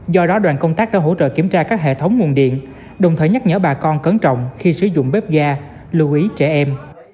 do đó đoàn công tác đã hỗ trợ kiểm tra các hệ thống nguồn điện đồng thời nhắc nhở bà con cấn trọng khi sử dụng bếp ga lưu ý trẻ em